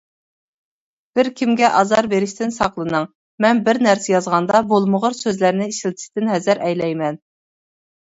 بىر كىمگە ئازار بېرىشتىن ساقلىنىڭ مەن بىر نەرسە يازغاندا بولمىغۇر سۆزلەرنى ئىشلىتىشتىن ھەزەر ئەيلەيمەن.